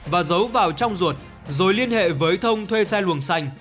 và giấu vào trong ruột rồi liên hệ với thông thuê xe luồng xanh